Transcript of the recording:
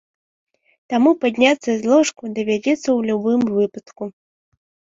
Таму падняцца з ложку давядзецца ў любым выпадку.